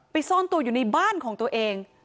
ซ่อนตัวอยู่ในบ้านของตัวเอง